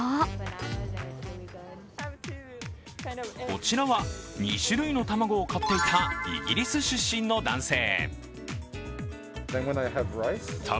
こちらは、２種類の卵を買っていたイギリス出身の男性。